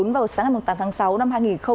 vào sáng tám tháng sáu năm hai nghìn hai mươi